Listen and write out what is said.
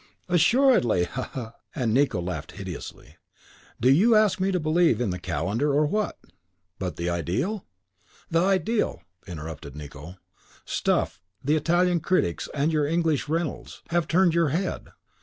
"Assuredly. Ha, ha!" and Nicot laughed hideously, "do you ask me to believe in the calendar, or what?" "But the ideal?" "The ideal!" interrupted Nicot. "Stuff! The Italian critics, and your English Reynolds, have turned your head.